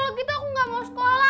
kalau gitu aku gak mau sekolah